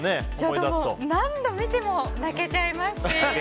ちょっと何度見ても泣けちゃいますし。